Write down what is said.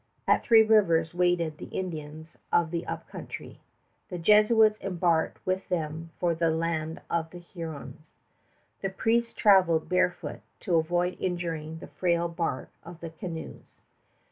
At Three Rivers waited the Indians of the Up Country. The Jesuits embarked with them for the land of the Hurons. The priests traveled barefoot to avoid injuring the frail bark of the canoes.